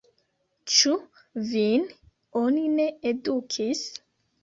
Ĉu vin oni ne edukis?